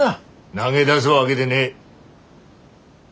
投げ出すわげでねえ。